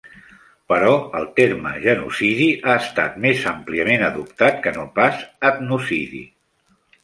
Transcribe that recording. Però el terme "genocidi" ha estat més àmpliament adoptat que no pas "etnocidi".